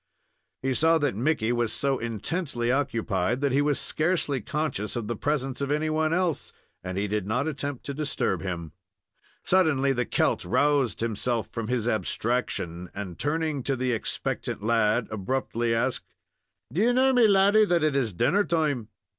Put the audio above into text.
He saw that Mickey was so intently occupied that he was scarcely conscious of the presence of any one else, and he did not attempt to disturb him. Suddenly the Celt roused himself from his abstraction, and, turning to the expectant lad, abruptly asked: "Do you know, me laddy, that it is dinner time?"